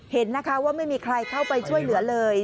เห็นนะคะว่าไม่มีใครเข้าไปช่วยเหลือเลย